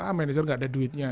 ah manager nggak ada duitnya